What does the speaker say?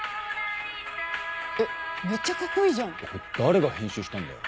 えっめっちゃカッコイイじゃん。誰が編集したんだよ。